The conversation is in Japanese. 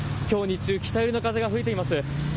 きょう日中、北寄りの風が吹いています。